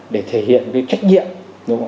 để thể hiện cái trách nhiệm